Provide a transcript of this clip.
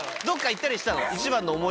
どこか行ったりしたの？